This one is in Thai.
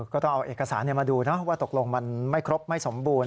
ก็ต้องเอาเอกสารมาดูนะว่าตกลงมันไม่ครบไม่สมบูรณ